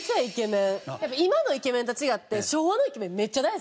今のイケメンと違って。